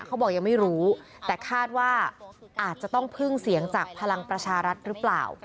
เขาบอกยังไม่รู้แต่คาดว่าอาจจะต้องพึ่งเสียงจากพลังประชารัฐหรือเปล่า